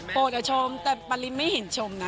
โปรดจะชมแต่ปริศน์ไม่เห็นชมนะ